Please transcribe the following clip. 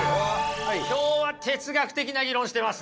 今日は哲学的な議論してますね。